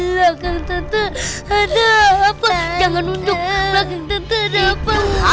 lagi tante ada apa jangan unduk lagi tante ada apa